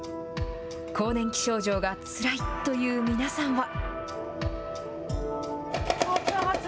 更年期症状がつらいという皆さんは。